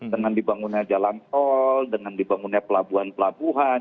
dengan dibangunnya jalan tol dengan dibangunnya pelabuhan pelabuhan